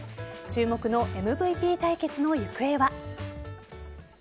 注目のＭＶＰ対決の行方は。